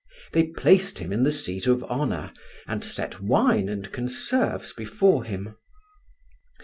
They placed him in the seat of honour, and set wine and conserves before him.